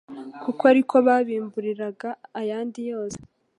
kuko ariko kwabimburiraga ayandi yose,